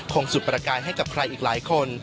สุดประกายให้กับใครอีกหลายคน